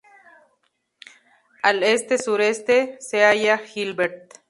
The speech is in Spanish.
Al este-sureste se halla Gilbert.